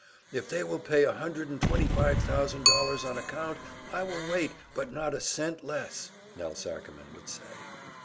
"If they will pay a hundred and twenty five thousand dollars on account, I will wait, but not a cent less," Nelse Ackerman would say.